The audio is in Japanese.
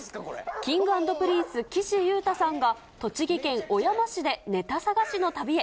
Ｋｉｎｇ＆Ｐｒｉｎｃｅ・岸優太さんが、栃木県小山市でネタ探しの旅へ。